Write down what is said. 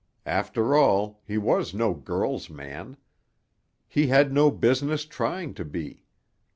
After all, he was no girl's man. He had no business trying to be.